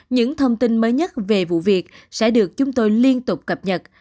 những thông tin mới nhất về vụ việc sẽ được chúng tôi liên tục cập nhật